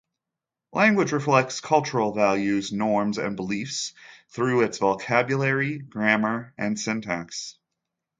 Language reflects cultural values, norms, and beliefs through its vocabulary, grammar, and syntax.